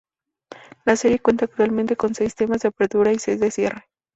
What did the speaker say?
La serie cuenta actualmente con seis temas de apertura y seis de cierre.